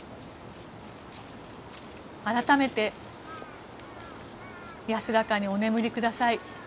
改めて、安らかにお眠りください